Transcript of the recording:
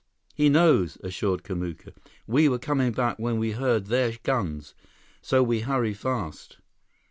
"He knows," assured Kamuka. "We were coming back when we heard their guns. So we hurry fast."